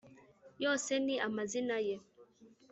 yose ni amazina ye